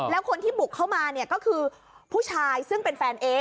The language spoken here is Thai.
แล้วคนที่บุกเข้ามาเนี่ยก็คือผู้ชายซึ่งเป็นแฟนเอ๊